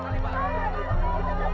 bang mali bang tareminji pumping